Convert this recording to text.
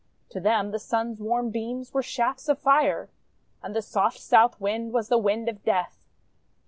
To them the Swi's warm beams were shafts of Fire, And the soft South Wind was the wind of death.